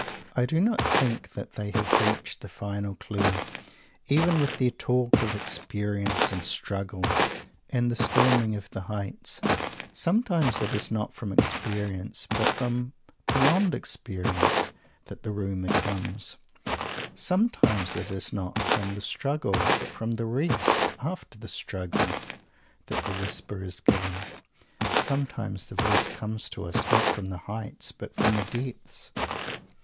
I do not think that they have reached the final clue, even with their talk of "experience" and "struggle" and the "storming of the heights." Sometimes it is not from "experience," but from beyond experience, that the rumour comes. Sometimes it is not from the "struggle," but from the "rest" after the struggle, that the whisper is given. Sometimes the voice comes to us, not from the "heights," but from the depths.